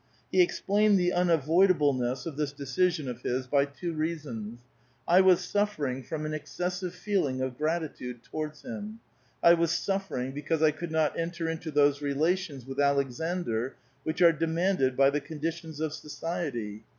He explained the unavoidableness of this decision of his b}* two reasons : 1 was suffering from an excessive feeling of gratitude towards him ; I was suffering because I could not enter into those relations . with Alek sandr which are demanded b}' the conditions of society.